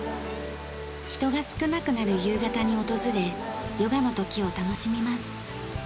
人が少なくなる夕方に訪れヨガの時を楽しみます。